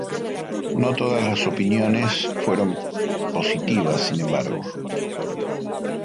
No todas las opiniones fueron positivas, sin embargo.